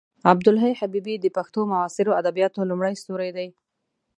عبدالحی حبیبي د پښتو معاصرو ادبیاتو لومړی ستوری دی.